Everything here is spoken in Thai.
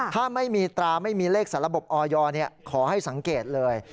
ถ้าไม่มีตราไม่มีเลขสาระบบออยขอให้สังเกตเลย